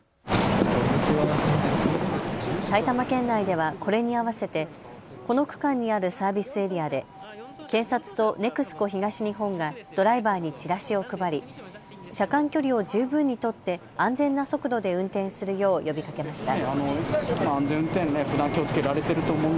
埼玉県内ではこれに合わせてこの区間にあるサービスエリアで警察とＮＥＸＣＯ東日本がドライバーにチラシを配り車間距離を十分に取って安全な速度で運転するよう呼びかけました。